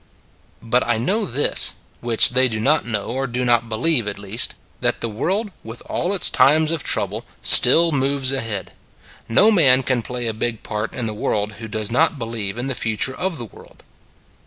But I know this which they do not know, or do not believe, at least that the world, with all its times of trouble, still moves ahead. No man can play a big part in the world who does not be lieve in the future of the world.